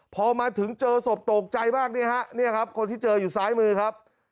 พอมาถึงเจอศพตกใจมากนี่ฮะเนี่ยครับคนที่เจออยู่ซ้ายมือครับ